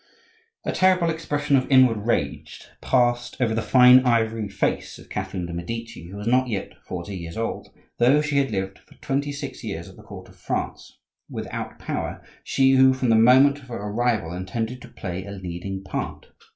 A terrible expression of inward rage passed over the fine ivory face of Catherine de' Medici, who was not yet forty years old, though she had lived for twenty six years at the court of France,—without power, she, who from the moment of her arrival intended to play a leading part!